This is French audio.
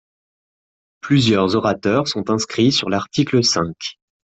Plusieurs orateurs sont inscrits sur l’article cinq.